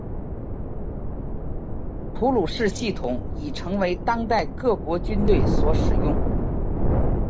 普鲁士系统已为当代各国军队所使用。